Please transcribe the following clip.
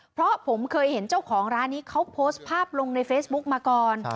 เพราะผมเคยเห็นเจ้าของร้านนี้เขาโพสต์ภาพลงในเฟซบุ๊กมาก่อน